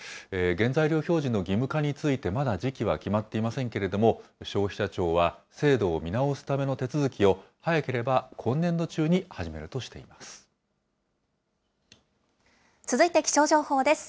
原材料表示の義務化について、まだ時期は決まっていませんけれども、消費者庁は制度を見直すための手続きを、早ければ今年度中に続いて気象情報です。